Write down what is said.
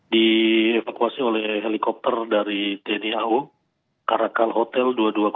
dievakuasi oleh helikopter dari tni au caracal hotel dua ribu dua ratus tujuh